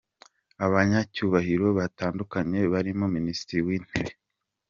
Abanyacyubahiro batandukanye barimo Minisitiri w’intebe Dr.